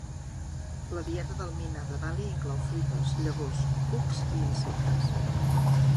La dieta del mynah de Bali inclou fruites, llavors, cucs i insectes.